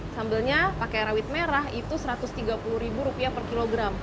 sambelnya pakai rawit merah itu satu ratus tiga puluh ribu rupiah per kilogram